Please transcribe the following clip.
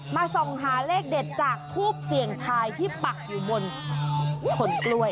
ส่องหาเลขเด็ดจากทูบเสี่ยงทายที่ปักอยู่บนขนกล้วย